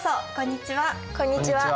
こんにちは。